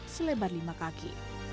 selebar lima kaki